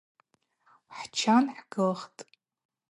Хӏчан хӏгылхтӏ.